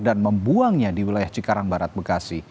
dan membuangnya di wilayah cikarang barat bekasi